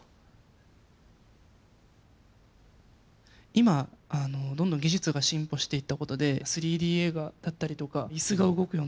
今どんどん技術が進歩していった事で３Ｄ映画だったりとか椅子が動くようなものがあったりとか。